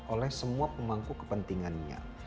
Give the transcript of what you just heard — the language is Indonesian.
oleh semua pemangku kepentingannya